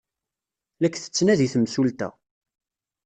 La k-tettnadi temsulta.